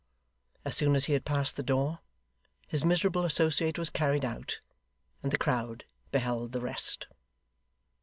As soon as he had passed the door, his miserable associate was carried out; and the crowd beheld the rest.